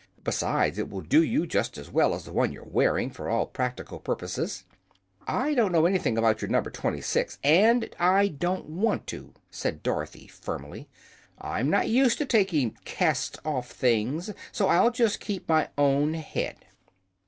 Besides, it will do you just as well as the one you're wearing, for all practical purposes." "I don't know anything about your No. 26, and I don't want to," said Dorothy, firmly. "I'm not used to taking cast off things, so I'll just keep my own head."